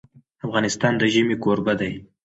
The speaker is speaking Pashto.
افغانستان د ژمی کوربه دی.